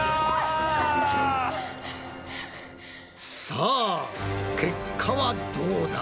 １！さあ結果はどうだ？